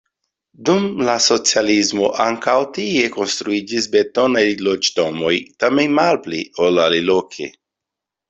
Dum la socialismo ankaŭ tie konstruiĝis betonaj loĝdomoj, tamen malpli, ol aliloke.